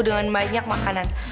dengan banyak makanan